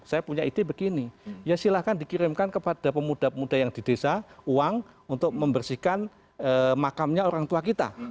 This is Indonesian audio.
saya punya ide begini ya silahkan dikirimkan kepada pemuda pemuda yang di desa uang untuk membersihkan makamnya orang tua kita